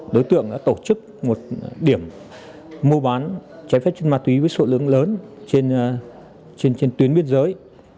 đối tượng đã tổ chức một điểm mua bán trái phép chân ma túy với sổ lưỡng lớn trên tuyến biên giới